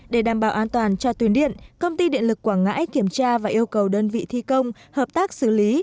để đảm bảo an toàn cho tuyến điện công ty điện lực quảng ngãi kiểm tra và yêu cầu đơn vị thi công hợp tác xử lý